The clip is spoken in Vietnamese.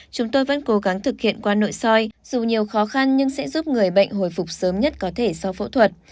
chúng tôi vẫn cố gắng thực hiện qua nội soi dù nhiều khó khăn nhưng sẽ giúp người bệnh hồi phục sớm nhất có thể sau phẫu thuật